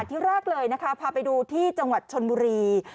ที่แรกเลยนะคะพาไปดูที่จังหวัดชนบุรี